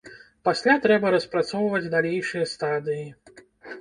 Пасля трэба распрацоўваць далейшыя стадыі.